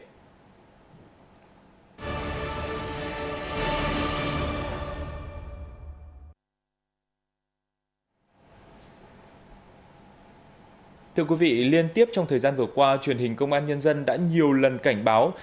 thưa quý vị liên tiếp trong thời gian vừa qua truyền hình công an nhân dân đã nhiều lần cảnh báo